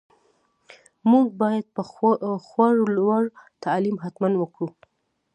موږ باید په خور لور تعليم حتماً وکړو.